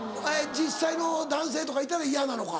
実際の男性とかいたら嫌なのか。